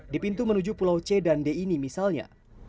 di pintu menuju pulau c dan d ini misalnya